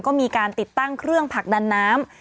ก็มีการติดตั้งเครื่องผลักดันน้ำ